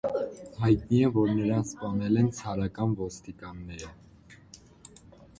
Հայտնի է, որ նրան սպանել են ցարական ոստիկանները։